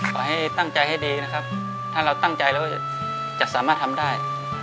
ขอให้ตั้งใจให้ดีนะครับถ้าเราตั้งใจเราจะสามารถทำได้